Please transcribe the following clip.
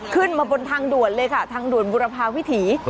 ขึ้นมาบนทางด่วนเลยค่ะทางด่วนบุรพาวิถี